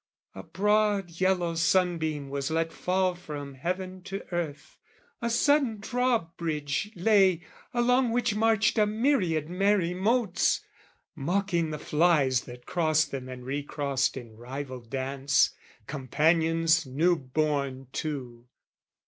A broad yellow sun beam was let fall From heaven to earth, a sudden drawbridge lay, Along which marched a myriad merry motes, Mocking the flies that crossed them and recrossed In rival dance, companions new born too.